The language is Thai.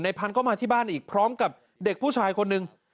พันธุ์ก็มาที่บ้านอีกพร้อมกับเด็กผู้ชายคนหนึ่ง